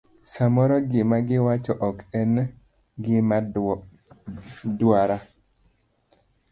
Samoro gima giwacho ok en gima dwara.